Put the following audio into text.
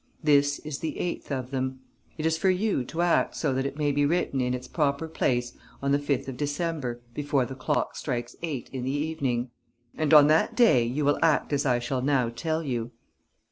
This is the eighth of them. It is for you to act so that it may be written in its proper place on the 5th of December, before the clock strikes eight in the evening. "And, on that day, you will act as I shall now tell you.